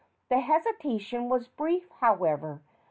The hesitation was brief, however.